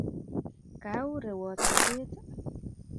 kaa u rewot sobeet?